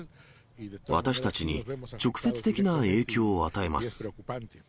私たちに直接的な影響を与えます。